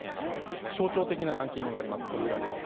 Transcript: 象徴的なランキングがあります。